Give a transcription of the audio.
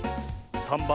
３ばん！